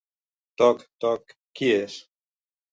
Toc, toc! Qui és?